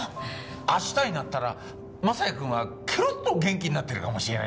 明日になったら雅也君はケロッと元気になってるかもしれないんだ。